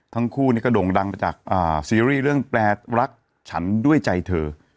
ทั้งคู่นี่ก็โด่งดังมาจากซีรีส์เรื่องแปลรักฉันด้วยใจเธอ